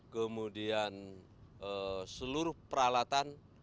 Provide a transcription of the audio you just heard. kemudian seluruh peralatan